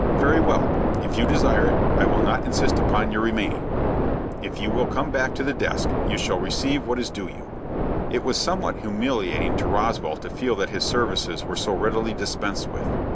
"Very well; if you desire it, I will not insist upon your remaining. If you will come up to the desk, you shall receive what is due you." It was somewhat humiliating to Roswell to feel that his services were so readily dispensed with.